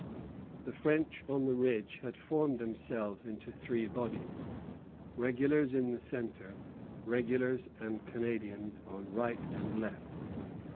The French on the ridge had formed themselves into three bodies, regulars in the centre, regulars and Canadians on right and left.